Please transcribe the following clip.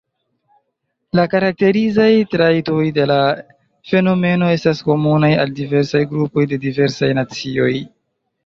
La karakterizaj trajtoj de la fenomeno estas komunaj al diversaj grupoj de diversaj nacioj.